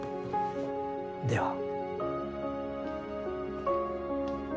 では。